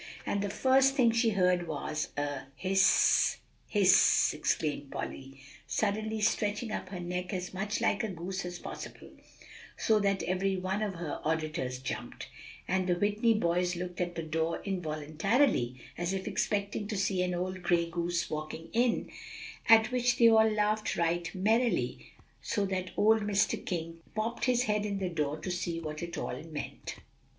And the first thing she heard was a 'Hiss hiss!'" exclaimed Polly, suddenly stretching up her neck as much like a goose as possible, so that every one of her auditors jumped; and the Whitney boys looked at the door involuntarily, as if expecting to see an old gray goose walking in, at which they all laughed right merrily, so that old Mr. King popped his head in the door to see what it all meant.